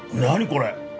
これ。